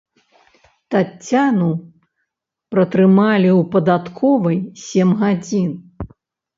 Таццяну пратрымалі ў падатковай сем гадзін.